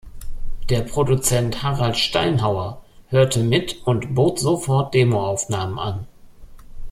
Der Produzent Harald Steinhauer hörte mit und bot sofort Demoaufnahmen an.